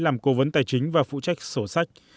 làm cố vấn tài chính và phụ trách sổ sách